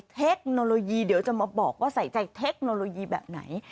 เทคโนโลยีเดี๋ยวจะมาบอกว่าใส่ใจเทคโนโลยีแบบไหน